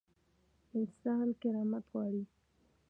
انسان کرامت غواړي